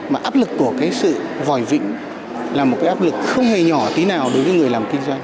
mà áp lực của cái sự vòi vĩnh là một cái áp lực không hề nhỏ tí nào đối với người làm kinh doanh